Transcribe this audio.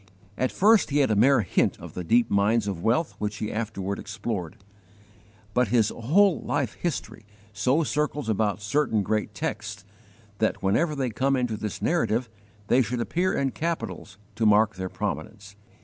_ At first he had a mere hint of the deep mines of wealth which he afterward explored. But his whole life history so circles about certain great texts that whenever they come into this narrative they should appear in capitals to mark their prominence.